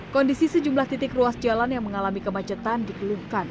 kondisi sejumlah titik ruas jalan yang mengalami kemacetan dikeluhkan